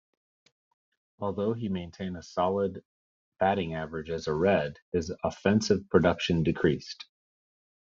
Although he maintained a solid batting average as a Red, his offensive production decreased.